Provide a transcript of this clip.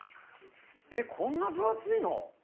え、こんな分厚いの？